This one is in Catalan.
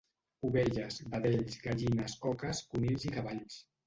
Ovelles, vedells, gallines, oques, conills i cavalls.